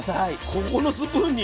ここのスプーンに。